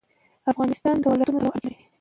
افغانستان د ولایتونو له پلوه اړیکې لري.